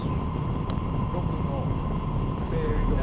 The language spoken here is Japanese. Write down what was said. ６のスペード。